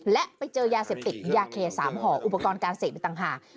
และไปเจอยาเสพติกยาเคสามห่ออุปกรณ์การเสกตรงทาง